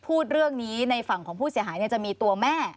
ถูกต้องค่ะคือจริงแล้วเขามีแค่ที่ทนายเกิดผล